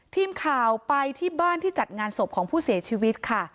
ทีมข่าวไปที่บ้านที่จัดงานศพของผู้เสียชีวิตค่ะ